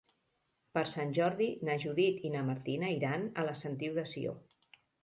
Per Sant Jordi na Judit i na Martina iran a la Sentiu de Sió.